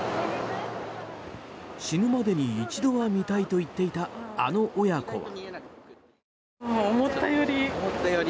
死ぬまでに一度は見たいと言っていたあの親子は。